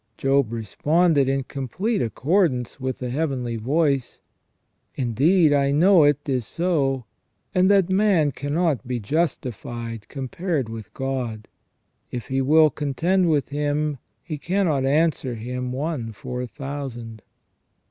" Job responded in complete accordance with the heavenly voice :" Indeed, I know it is so, and that man cannot be justified compared with God. If he will contend with Him, he cannot answer Him one for a thousand."